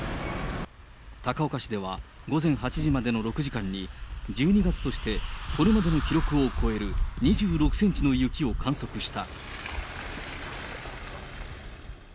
高岡市では午前８時までの６時間に、１２月としてこれまでの記録を超える２６センチの雪を観測した。